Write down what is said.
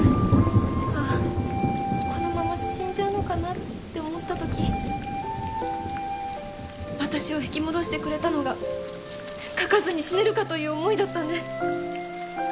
ああこのまま死んじゃうのかなって思った時私を引き戻してくれたのが書かずに死ねるかという思いだったんです。